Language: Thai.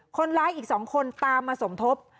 คนร้ายอีก๒คนตามมาสมทบ